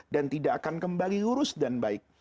dan tidak akan kembali lurus dan baik